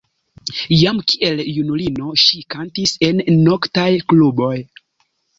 Jam kiel junulino ŝi kantis en noktaj kluboj.